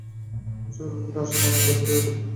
এই-সকল ব্যাপারে আশা মনে মনে বিহারীর উপরে ভারি বিরক্ত হইত।